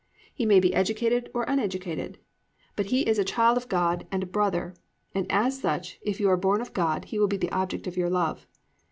He may be educated or uneducated; but he is a child of God and a brother, and as such if you are born of God, he will be the object of your love.